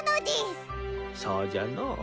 そうじゃのう。